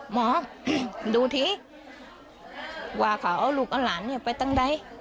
หมอดูทีว่าเขาเอาลูกเอาหลานไปตั้งใด